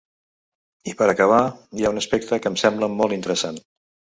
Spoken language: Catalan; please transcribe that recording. I, per acabar, hi ha un aspecte que em sembla molt interessant.